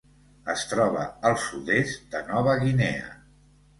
Es troba al sud-est de Nova Guinea.